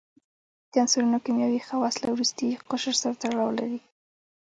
د عنصرونو کیمیاوي خواص له وروستي قشر سره تړاو لري.